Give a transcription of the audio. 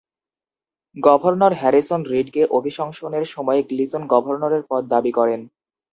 Governor Harrison রিডকে অভিশংসনের সময় গ্লিসন গভর্নরের পদ দাবি করেন।